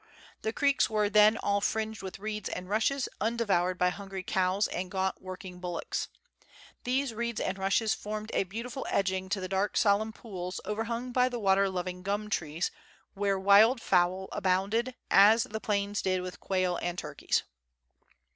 The creeks were then all fringed with reeds and rushes, undevoured by hungry cows and gaunt working bullocks. These reeds and rushes formed a beautiful edging to the dark solemn pools overhung by the water loving gum trees, where wild fowl abounded, as the plains did with quail and turkeys.